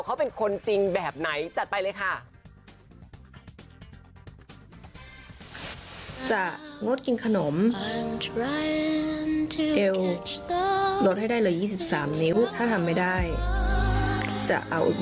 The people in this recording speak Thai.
เขาเป็นคนจริงแบบไหนจัดไปเลยค่ะ